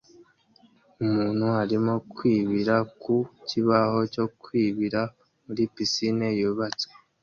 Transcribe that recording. Umuntu arimo kwibira ku kibaho cyo kwibira muri pisine yubatswe